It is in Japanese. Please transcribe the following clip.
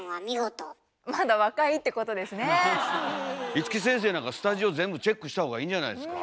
五木先生なんかスタジオ全部チェックした方がいいんじゃないですか？